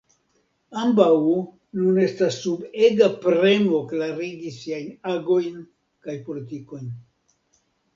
Ambaŭ nun estas sub ega premo klarigi siajn agojn kaj politikojn.